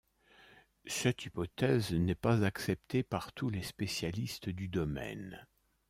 Cette hypothèse n’est pas acceptée par tous les spécialistes du domaine.